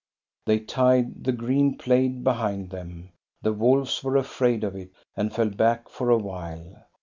They tied the green plaid behind them. The wolves were afraid of it, and fell back for a while.